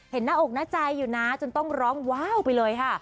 หน้าอกหน้าใจอยู่นะจนต้องร้องว้าวไปเลยค่ะ